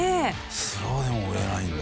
スローでも追えないんだ。